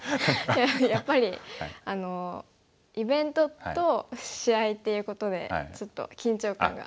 いややっぱりイベントと試合っていうことでちょっと緊張感が。